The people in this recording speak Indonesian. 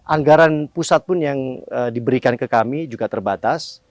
anggaran pusat pun yang diberikan ke kami juga terbatas